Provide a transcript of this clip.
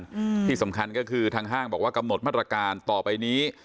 อืมที่สำคัญก็คือทางห้างบอกว่ากำหนดมาตรการต่อไปนี้